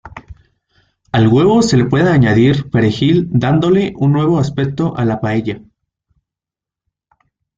Al huevo se le puede añadir perejil dándole un nuevo aspecto a la paella.